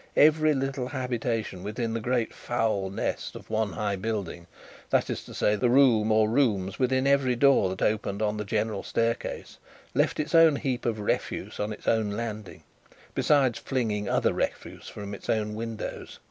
Every little habitation within the great foul nest of one high building that is to say, the room or rooms within every door that opened on the general staircase left its own heap of refuse on its own landing, besides flinging other refuse from its own windows.